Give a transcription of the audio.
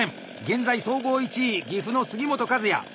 現在総合１位岐阜の杉本和也！